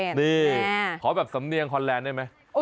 นี่ขอสำเรียงฮอร์แลนด์ได้ไหม